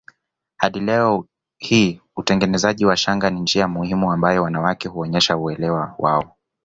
Hadi leo hii utengenezaji wa shanga ni njia muhimu ambayo wanawake huonyesha uelewa wao